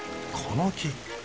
この木。